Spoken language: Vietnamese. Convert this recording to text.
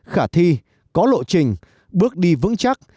khả thi có lộ trình bước đi vững chắc